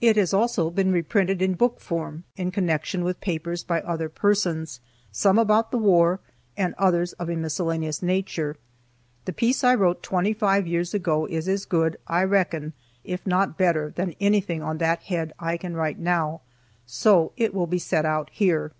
It has also been reprinted in book form in connection with papers by other persons, some about the war, and others of a miscellaneous nature. The piece I wrote twenty five years ago is as good, I reckon, if not better than anything on that head I can write now, so it will be set out here.